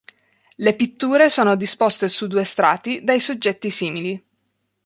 Le pitture sono disposte su due strati, dai soggetti simili.